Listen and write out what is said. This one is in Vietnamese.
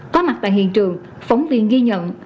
có mặt tại hiện trường phóng viên ghi nhận